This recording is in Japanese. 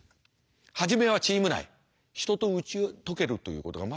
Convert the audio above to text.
初めはチーム内人と打ち解けるということが全くできない。